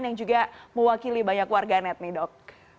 yang juga mewakili banyak warga net nih dok